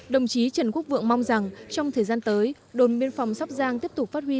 đồng chí trần quốc vượng mong rằng trong thời gian tới đồn biên phòng sắp giang tiếp tục phát huy